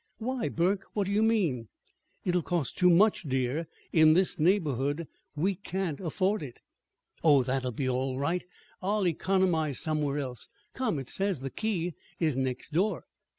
"Why, Burke, what do you mean?" "It'll cost too much, dear, in this neighborhood. We can't afford it." "Oh, that'll be all right. I'll economize somewhere else. Come; it says the key is next door."